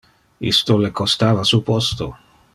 Isto le costava su posto.